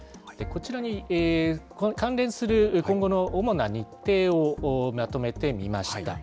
こちらに関連する今後の主な日程をまとめてみました。